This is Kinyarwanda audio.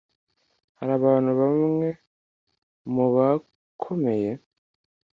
hari abantu bamwe mu bakomeye